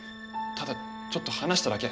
ただちょっと話しただけ。